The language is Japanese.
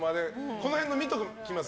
この辺の見ておきます？